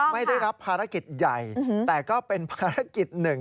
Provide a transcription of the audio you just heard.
ไม่ได้รับภารกิจใหญ่แต่ก็เป็นภารกิจหนึ่ง